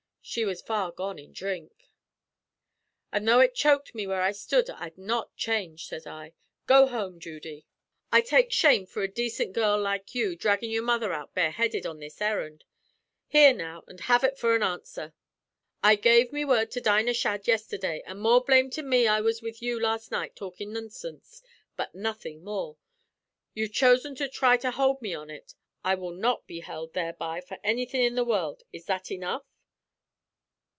She was far gone in dhrink. "'An' tho' ut choked me where I stud I'd not change,' sez I. 'Go home, Judy. I take shame for a decent girl like you dhraggin' your mother out bareheaded on this errand. Hear, now, and have ut for an answer. I gave me word to Dinah Shadd yesterday, an' more blame to me I was with you last night talkin' nonsinse, but nothin' more. You've chosen to thry to hould me on ut. I will not be held thereby for any thin' in the world. Is that enough?'